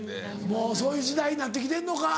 もうそういう時代になってきてんのか。